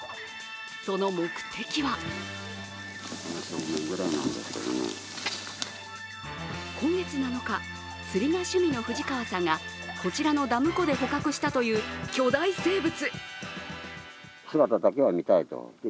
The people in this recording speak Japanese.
その目的は今月７日、釣りが趣味の藤川さんがこちらのダム湖で捕獲したという巨大生物。